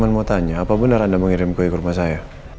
saya mau tanya apa benar anda mengirim kue ke rumah saya